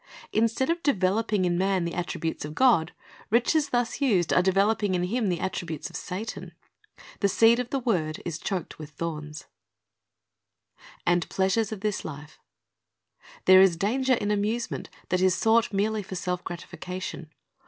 Instead of developing in man the attributes of God, riches thus used are developing in him the attributes of Satan. The seed of the word is choked with thorns. 1 John 15:3 2Deut. 8:17 ^'Thc Sozver Went Forth to Sow" 53 "And pleasures of this life." There is danger in amuse ment that is sought merely for self gratification.